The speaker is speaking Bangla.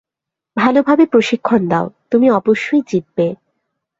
ভালভাবে প্রশিক্ষণ দাও, তুমি অবশ্যই জিতবে!